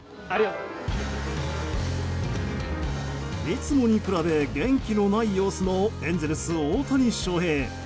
いつもに比べ元気のない様子のエンゼルス、大谷翔平。